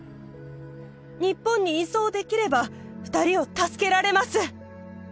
日本に移送できれば２人を助けられます